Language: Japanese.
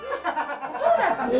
そうだったんですか？